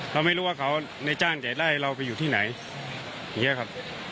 เราไม่รู้ว่าเขาในจ้างจะไล่เราไปอยู่ที่ไหนอย่างนี้ครับ